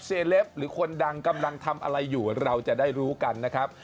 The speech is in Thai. เล็ปหรือคนดังกำลังทำอะไรอยู่เราจะได้รู้กันนะครับ